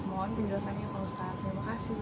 mohon penjelasannya pak ustadz terima kasih